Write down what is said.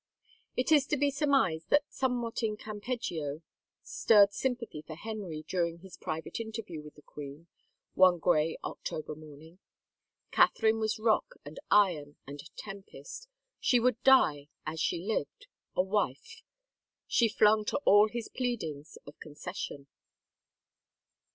It is to be surmised that somewhat in Campeggio stirred sympathy for Henry during his private interview with the queen, one gray October morning. Catherine was rock and iron and tempest She would die, as she lived, a wife, she flung to all his pleadings of conces sion.